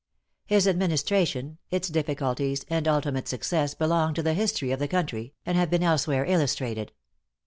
His administration, its difficulties and ultimate success belong to the history of the country, and have been elsewhere illustrated.